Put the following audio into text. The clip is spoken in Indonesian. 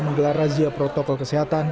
menggelar razia protokol kesehatan